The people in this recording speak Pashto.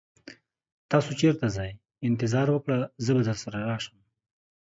تاسو چیرته ځئ؟ انتظار وکړه، زه به درسره راشم.